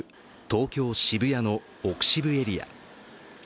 東京・渋谷の奥渋エリア。